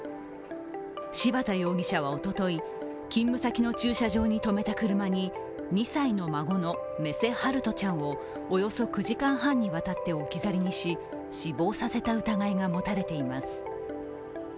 柴田容疑者はおととい、勤務先の駐車場に止めた車に２歳の孫の目瀬陽翔ちゃんをおよそ９時間半にわたって置き去りにし死亡させた疑いが持たれています。